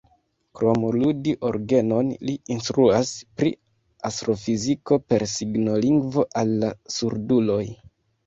Krom ludi orgenon, li instruas pri astrofiziko per signolingvo al la surduloj.